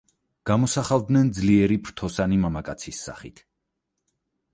გამოსახავდნენ ძლიერი, ფრთოსანი მამაკაცის სახით.